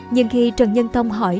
nhưng khi trần nhân tông hỏi